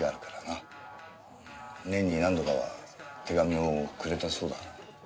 年に何度かは手紙をくれたそうだ。